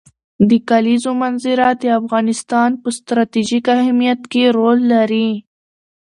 د کلیزو منظره د افغانستان په ستراتیژیک اهمیت کې رول لري.